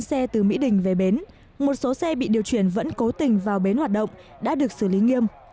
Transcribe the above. xe từ mỹ đình về bến một số xe bị điều chuyển vẫn cố tình vào bến hoạt động đã được xử lý nghiêm